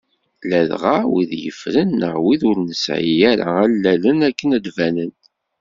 Ladɣa wid yeffren, neɣ wid ur nesɛi ara allalen akken ad d-banen.